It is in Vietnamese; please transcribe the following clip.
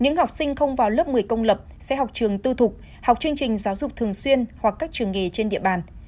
những học sinh không vào lớp một mươi công lập sẽ học trường tư thục học chương trình giáo dục thường xuyên hoặc các trường nghề trên địa bàn